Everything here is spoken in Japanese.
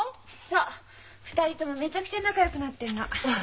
そう２人ともめちゃくちゃ仲よくなってるの。